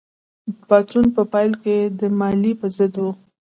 پاڅون په پیل کې د مالیې په ضد و.